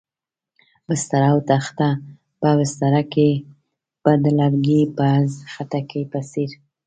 بستره او تخته، په بستره کې به د لرګي په خټکي په څېر.